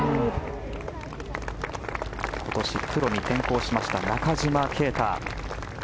今年プロに転向した中島啓太。